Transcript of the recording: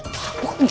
gak usah mikir